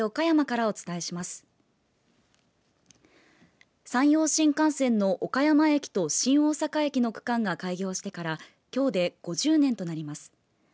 山陽新幹線の岡山駅と新大阪駅の区間が開業してからきょうで５０年となります。